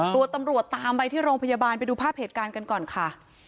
ตำรวจตามไปที่โรงพยาบาลไปดูภาพเหตุการณ์กันก่อนค่ะ